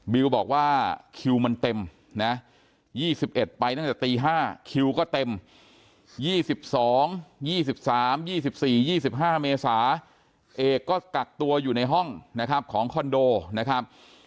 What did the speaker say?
บอกว่าคิวมันเต็มนะ๒๑ไปตั้งแต่ตี๕คิวก็เต็ม๒๒๒๓๒๔๒๕เมษาเอกก็กักตัวอยู่ในห้องนะครับของคอนโดนะครับ